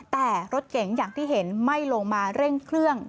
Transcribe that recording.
แต่รถเก๋งอย่างที่เห็นไม่ลงมาเร่งเครื่อง